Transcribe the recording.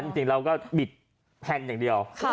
จริงเราก็บิดแผ่นอย่างเดียว